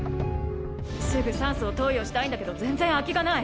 すぐ酸素を投与したいんだけど全然空きがない。